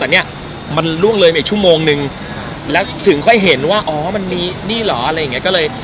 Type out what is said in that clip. แต่เนี้ยมันล่วงเลยมาอีกชั่วโมงนึงแล้วถึงค่อยเห็นว่าอ๋อมันมีนี่เหรออะไรอย่างเงี้ก็เลย